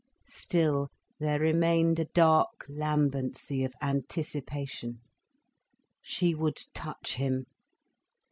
Still there remained a dark lambency of anticipation. She would touch him.